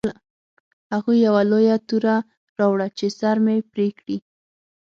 هغوی یوه لویه توره راوړه چې سر مې پرې کړي